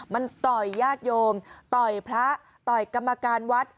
มันต่อยญาติโยมต่อยพระต่อยกรรมการวัด